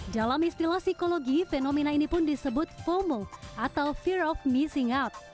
dalam istilah psikologi fenomena ini pun disebut fomo atau fear of missing out